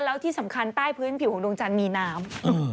แล้วที่สำคัญใต้พื้นผิวของดวงจันทร์มีน้ำ